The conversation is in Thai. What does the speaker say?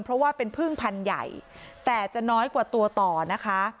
เพราะว่าเป็นพึ่งพันธุ์ใหญ่แต่จะน้อยกว่าตัวต่อนะคะ